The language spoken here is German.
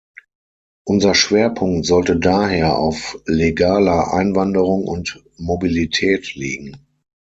Unser Schwerpunkt sollte daher auf legaler Einwanderung und Mobilität liegen.